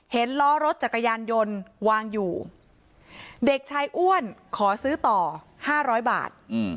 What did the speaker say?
ล้อรถจักรยานยนต์วางอยู่เด็กชายอ้วนขอซื้อต่อ๕๐๐บาท